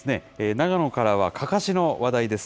長野からは、かかしの話題です。